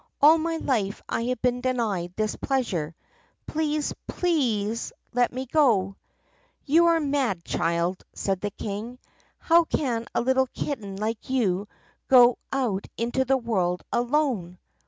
All my life I have been denied this pleasure. Please, PLEASE let me go!' " 'You are mad, child!' said the King. 'How can a little kitten like you go out into the world alone?